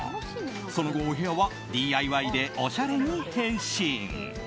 その後、お部屋はＤＩＹでおしゃれに変身。